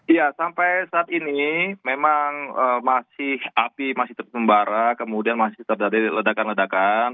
iya sampai saat ini memang api masih terbumbara kemudian masih terjadi ledakan ledakan